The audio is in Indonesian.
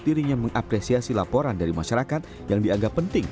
dirinya mengapresiasi laporan dari masyarakat yang dianggap penting